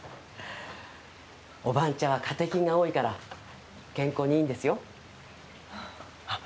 お番茶はカテキンが多いから健康にいいんですよあっ